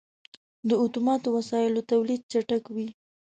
• د اتوماتو وسایلو تولید چټک و.